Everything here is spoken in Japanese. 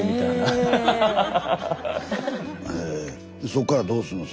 そっからどうすんの？